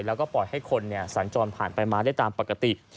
แล้วก็ปล่อยให้คนสัญจรผ่านไปมาได้ตามปกติ